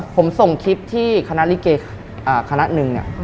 ผมส่งคลิปที่คณะลิเกย์คณะหนึ่ง